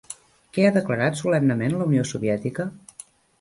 Què ha declarat solemnement a Unió Soviètica?